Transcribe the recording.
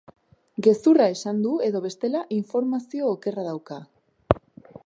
Gezurra esan du edo bestela informazio okerra dauka.